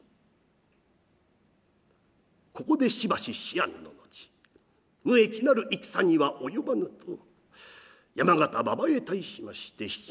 ここでしばし思案の後無益なる戦には及ばぬと山県馬場へ対しまして引き揚げの命を下します。